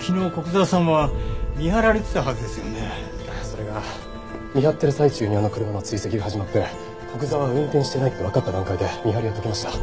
それが見張ってる最中にあの車の追跡が始まって古久沢は運転してないってわかった段階で見張りは解きました。